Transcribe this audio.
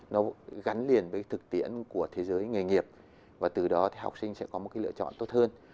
nó gắn liền với thực tiễn của thế giới nghề nghiệp và từ đó thì học sinh sẽ có một cái lựa chọn tốt hơn